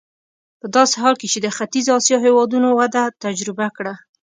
په داسې حال کې چې د ختیځې اسیا هېوادونو وده تجربه کړه.